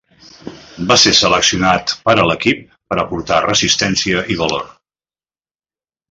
Va ser seleccionat per a l'equip per aportar resistència i valor.